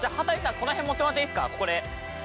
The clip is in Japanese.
この辺持ってもらっていいですか？